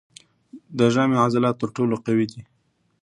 د ژامې عضلات تر ټولو قوي دي.